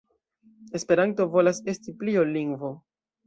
Esperanto volas esti pli ol lingvo.